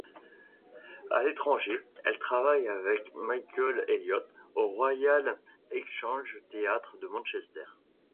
À l'étranger, elle travaille avec Michael Elliott au Royal Exchange Theatre de Manchester.